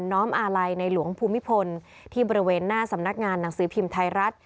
้อมอาลัยในหลวงภูมิพลที่บริเวณหน้าสำนักงานหนังสือพิมพ์ไทยรัฐ